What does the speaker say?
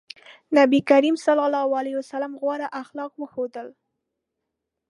نبي کريم ص غوره اخلاق وښودل.